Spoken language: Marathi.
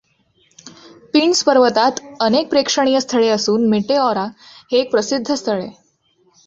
पिंड्स पर्वतात अनेक प्रेक्षणीय स्थळे असून मेटेऑरा हे एक प्रसिद्ध स्थळ आहे.